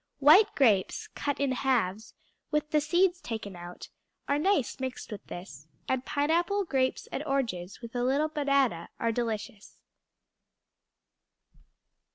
White grapes, cut in halves, with the seeds taken out, are nice mixed with this, and pineapple, grapes, and oranges, with a little banana, are delicious.